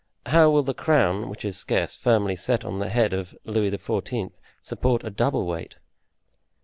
How will the crown, which is scarce firmly set on the head of Louis XIV., support a double weight?"